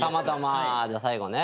じゃ最後ね。